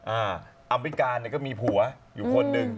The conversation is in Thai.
อัมพิการก็มีผัวอยู่คนหนึ่ง